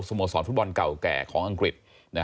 โมสรฟุตบอลเก่าแก่ของอังกฤษ